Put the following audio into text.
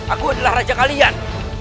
aku adalah raja kalian